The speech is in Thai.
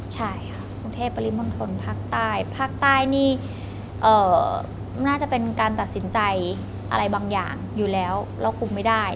ใช่ค่ะกรุงเทพปริมณฑลภาคใต้ภาคใต้นี่น่าจะเป็นการตัดสินใจอะไรบางอย่างอยู่แล้วแล้วคุมไม่ได้